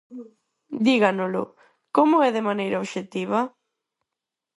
Díganolo, ¿como é de maneira obxectiva?